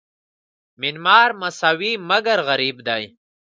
میانمار مساوي مګر غریب دی.